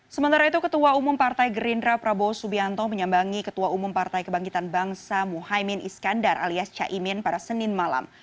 sementara itu ketua umum partai gerindra prabowo subianto menyambangi ketua umum partai kebangkitan bangsa muhaymin iskandar alias caimin pada senin malam